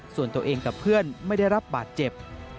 ส่วนตัวเองกับเพื่อนไม่ได้รับบาดเจ็บ